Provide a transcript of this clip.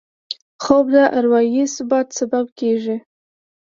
خوب د اروايي ثبات سبب کېږي